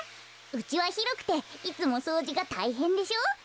うちはひろくていつもそうじがたいへんでしょ。